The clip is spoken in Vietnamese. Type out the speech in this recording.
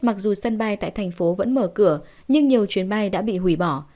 mặc dù sân bay tại thành phố vẫn mở cửa nhưng nhiều chuyến bay đã bị hủy bỏ